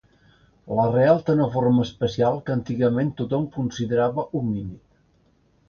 L'arrel té una forma especial que antigament tothom considerava homínid.